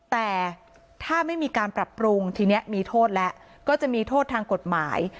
แต่ถ้าไม่มีการปรับปรุงทีนี้มีโทษแล้วก็จะมีโทษทางกฎหมาย